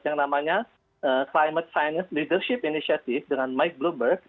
yang namanya climate science leadership initiative dengan mike bluebird